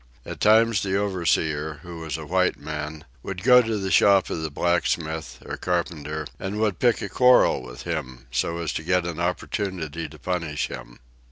At times the overseer, who was a white man, would go to the shop of the blacksmith, or carpenter, and would pick a quarrel with him, so as to get an opportunity to punish him.